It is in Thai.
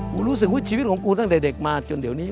รู้สึกว่าชีวิตของกูตั้งแต่เด็กมาจนเดี๋ยวนี้